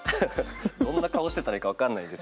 どんな顔してたらいいか分かんないです。